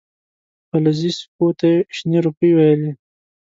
فلزي سکو ته یې شنې روپۍ ویلې.